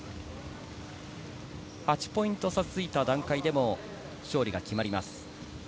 ８ポイント差がついた段階でも勝利が決まります。